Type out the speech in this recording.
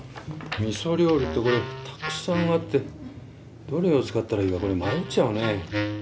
味噌料理ってこれたくさんあってどれを使ったらいいかこれ迷っちゃうね。